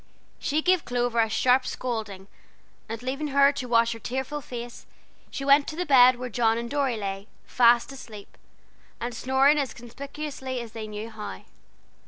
She gave Clover a sharp scolding, and leaving her to wash her tearful face, she went to the bed where John and Dorry lay, fast asleep, and snoring as conspicuously as they knew how.